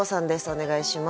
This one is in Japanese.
お願いします。